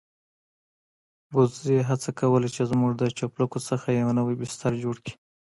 وزې هڅه کوله چې زموږ د چپلکو څخه يو نوی بستر جوړ کړي.